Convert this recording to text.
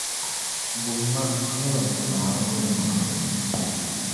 Gum ma, ni ban ti Naawuni yɛlimaŋli.